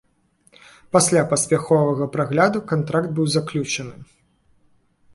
Пасля паспяховага прагляду, кантракт быў заключаны.